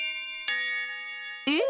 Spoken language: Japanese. えっ？